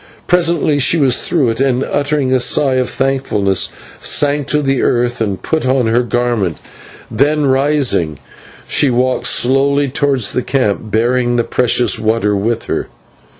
Presently she was through it, and with a sigh of thankfulness sank to the earth and put on her garment, then, rising, she walked slowly towards the camp, bearing the precious water with her.